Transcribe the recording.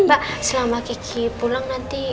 mbak selama kiki pulang nanti